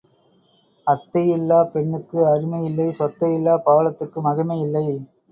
அத்தை இல்லாப் பெண்ணுக்கு அருமை இல்லை சொத்தை இல்லாப் பவழத்துக்கு மகிமை இல்லை.